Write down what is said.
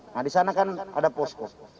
nah disana kan ada posko